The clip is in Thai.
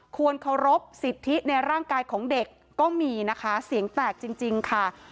ควรเคารพสิทธิในร่างกายของเด็กก็มีนะคะเสียงแตกจริงค่ะ